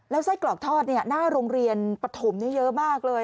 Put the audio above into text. ไส้กรอกทอดหน้าโรงเรียนปฐมนี้เยอะมากเลย